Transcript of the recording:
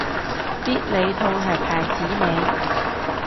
必理痛係牌子名